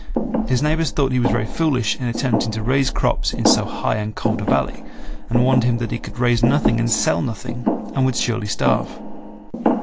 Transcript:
His neighbors thought he was very foolish in attempting to raise crops in so high and cold a valley, and warned him that he could raise nothing and sell nothing, and would surely starve.